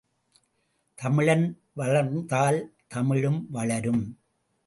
தமிழன் வளர்ந்தால் தமிழும் வளரும்!